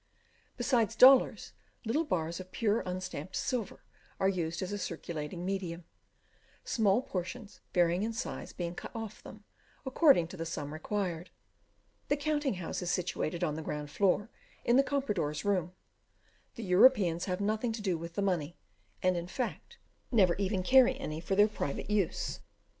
Besides dollars, little bars of pure unstamped silver are used as a circulating medium; small portions, varying in size, being cut off them, according to the sum required. The counting house is situated on the ground floor, in the comprador's room. The Europeans have nothing to do with the money, and, in fact, never even carry any for their private use.